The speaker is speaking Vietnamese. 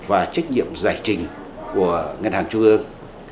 và trách nhiệm giải trình của ngân hàng trung ương